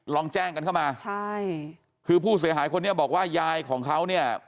ลองแจ้งกันเข้ามาใช่คือผู้เสียหายคนนี้บอกว่ายายของเขาเนี่ย